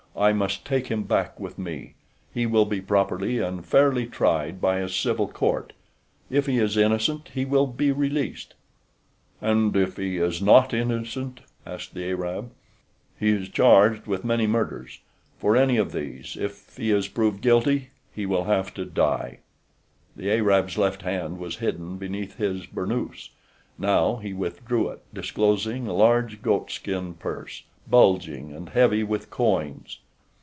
"I must take him back with me. He will be properly and fairly tried by a civil court. If he is innocent he will be released." "And if he is not innocent?" asked the Arab. "He is charged with many murders. For any one of these, if he is proved guilty, he will have to die." The Arab's left hand was hidden beneath his burnous. Now he withdrew it disclosing a large goatskin purse, bulging and heavy with coins.